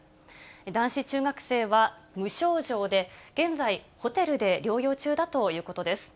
男子中学生は無症状で、現在、ホテルで療養中だということです。